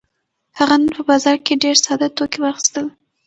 هغه نن په بازار کې ډېر ساده توکي واخيستل.